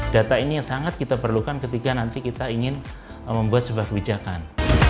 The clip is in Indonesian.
data ini yang sangat kita perlukan ketika nanti kita ingin membuat sebuah kebijakan